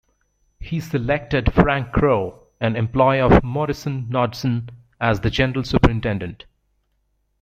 He selected Frank Crowe, an employee of Morrison-Knudsen as the General Superintendent.